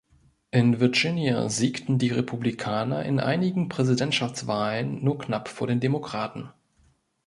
In Virginia siegten die Republikaner in einigen Präsidentschaftswahlen nur knapp vor den Demokraten.